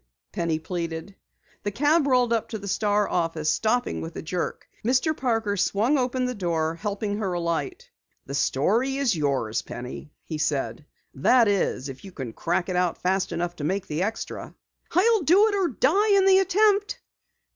Penny pleaded. The cab rolled up to the Star office, stopping with a jerk. Mr. Parker swung open the door, helping her alight. "The story is yours, Penny," he said. "That is, if you can crack it out fast enough to make the extra." "I'll do it or die in the attempt."